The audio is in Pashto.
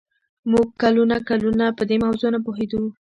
موږ کلونه کلونه په دې موضوع نه پوهېدو